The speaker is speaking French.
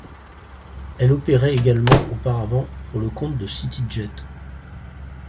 Elle opérait également auparavant pour le compte de CityJet.